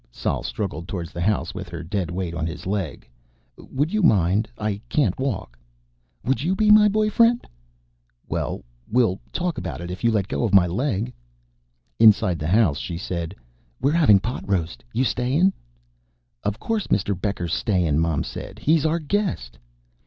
Sol struggled towards the house with her dead weight on his leg. "Would you mind? I can't walk." "Would you be my boyfriend?" "Well, we'll talk about it. If you let go my leg." Inside the house, she said: "We're having pot roast. You stayin'?" "Of course Mr. Becker's stayin'," Mom said. "He's our guest."